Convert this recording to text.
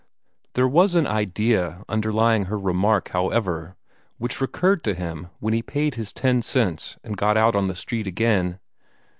There was an idea underlying her remark, however, which recurred to him when he had paid his ten cents and got out on the street again.